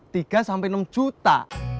saya bisa dapat tiga enam juta